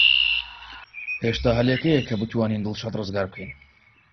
هێشتا هەلێک هەیە کە بتوانین دڵشاد ڕزگار بکەین.